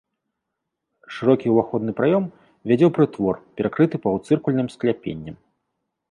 Шырокі ўваходны праём вядзе ў прытвор, перакрыты паўцыркульным скляпеннем.